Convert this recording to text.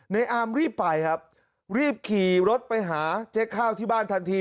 อาร์มรีบไปครับรีบขี่รถไปหาเจ๊ข้าวที่บ้านทันที